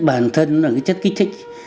bản thân là chất kích thích